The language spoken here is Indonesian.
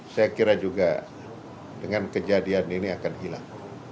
saya kira juga dengan kejadian ini akan hilang